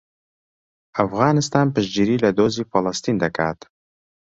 ئەفغانستان پشتگیری لە دۆزی فەڵەستین دەکات.